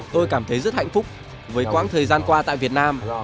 tôi cảm thấy rất hạnh phúc với quãng thời gian qua tại việt nam